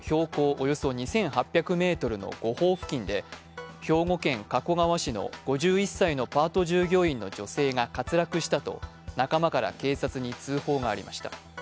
およそ２８００ｍの５峰付近で兵庫県加古川市の５１歳のパート従業員の女性が滑落したと仲間から警察に通報がありました。